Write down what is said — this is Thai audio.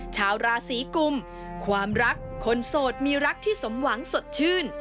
ชาวราศีกุมความรักคนโสดมีรักที่สมหวังสดชื่น